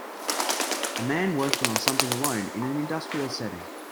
A man working on something alone in an industrial setting.